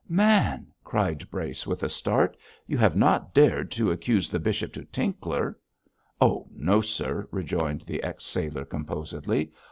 'Man!' cried Brace, with a start, 'you have not dared to accuse the bishop to Tinkler!' 'Oh, no, sir!' rejoined the ex sailor, composedly.